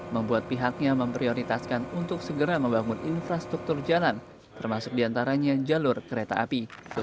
membuat pihaknya memprioritaskan untuk segera membangun infrastruktur jalan termasuk diantaranya jalur kereta api